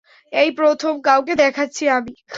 এই প্রথম কাউকে দেখাচ্ছি আমি।